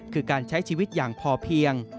คือการใช้ชีวิตอย่างพอเพียง